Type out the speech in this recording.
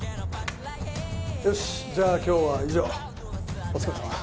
よしじゃあ今日は以上お疲れさま。